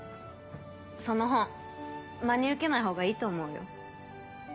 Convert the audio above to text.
その本真に受けないほうがいいと思うよ。